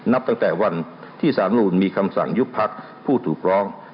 นับตั้งแต่วันที่สารมนุนมีคำสั่งยุบพักผู้ถูกร้อง